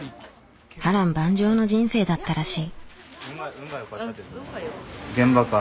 波乱万丈の人生だったらしい。